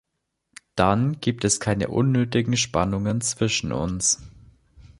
Dann gibt es keine unnötigen Spannungen zwischen uns.